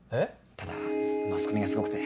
ただマスコミがすごくて。